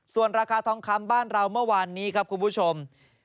ส่วนราคาทองคำบ้านเราเมื่อวานนี้ครับคุณผู้ชม